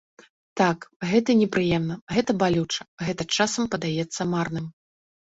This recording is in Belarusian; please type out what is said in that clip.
Так, гэта непрыемна, гэта балюча, гэта часам падаецца марным.